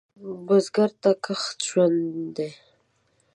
بزګر ته کښت ژوند دی